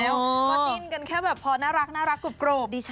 เขาจริงกันแค่แบบพอน่ารักกรบ